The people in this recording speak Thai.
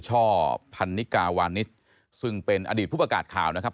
ช่อพันนิกาวานิสซึ่งเป็นอดีตผู้ประกาศข่าวนะครับ